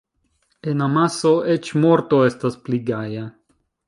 En amaso eĉ morto estas pli gaja.